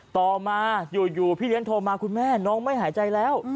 ต่อมาอยู่พี่เลี้ยงโทรมาคุณแม่น้องไม่หายใจแล้ว